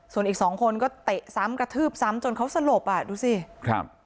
ส่วนอีกสองคนก็เตะซ้ำกระทืบซ้ำจนเขาสลบอ่ะดูสิครับ